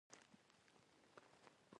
د نبات د ودې لپاره لمر ته اړتیا حتمي ده.